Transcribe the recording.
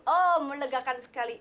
oh melegakan sekali